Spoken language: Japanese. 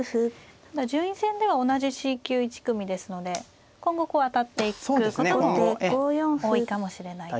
ただ順位戦では同じＣ級１組ですので今後当たっていくことも多いかもしれないですね。